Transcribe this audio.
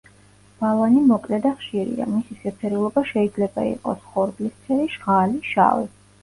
ბალანი მოკლე და ხშირია, მისი შეფერილობა შეიძლება იყოს ხორბლისფერი, ჟღალი, შავი.